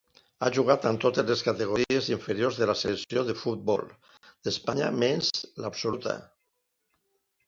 Ha jugat amb totes les categories inferiors de la selecció de futbol d'Espanya menys l'absoluta.